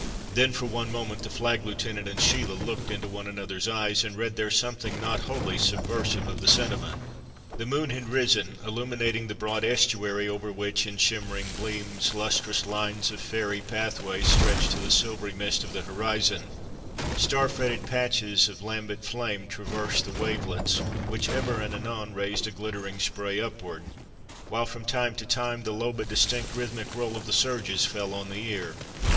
Then, for one moment, the Flag Lieutenant and Sheila looked into one another's eyes, and read there something not wholly subversive of the sentiment. The moon had risen, illumining the broad estuary, over which, in shimmering gleams, lustrous lines of fairy pathways stretched to the silvery mist of the horizon; star fretted patches of lambent flame traversed the wavelets, which ever and anon raised a glittering spray upward, while from time to time the low but distinct rhythmic roll of the surges fell on the ear.